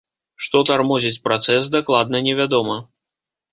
Што тармозіць працэс, дакладна невядома.